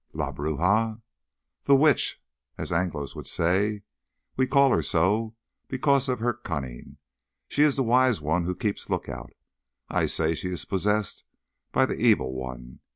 "La Bruja?" "The Witch, as Anglos would say. We call her so because of her cunning. She is the wise one who keeps lookout. I say she is possessed by the Evil One.